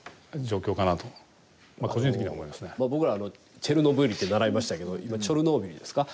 まあ僕らはチェルノブイリって習いましたけど今チョルノービリですか。